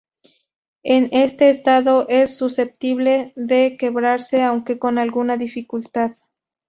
En este estado es susceptible de quebrarse aunque con alguna dificultad.